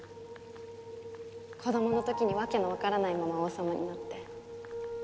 子供の時に訳もわからないまま王様になって。